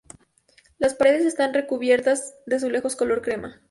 Las paredes están recubiertas de azulejos color crema.